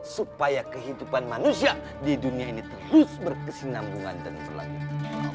supaya kehidupan manusia di dunia ini terus berkesinambungan dan berlanjut